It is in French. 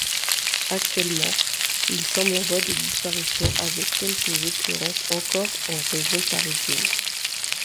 Actuellement, il semble en voie de disparition avec quelques occurrences encore en région parisienne.